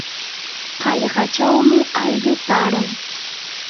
qallqachawmi aylluu taaran.